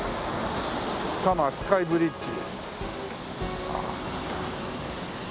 「多摩川スカイブリッジ」